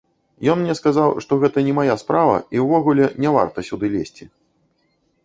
Ён мне сказаў, што гэта не мая справа і ўвогуле не варта сюды лезці.